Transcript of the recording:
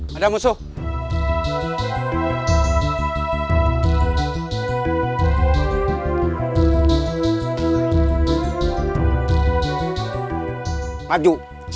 kau bang payur